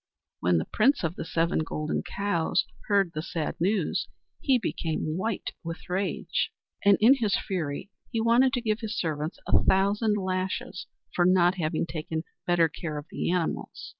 When the Prince of the Seven Golden Cows heard the sad news, he became white with rage, and in his fury he wanted to give his servants a thousand lashes for not having taken better care of the animals.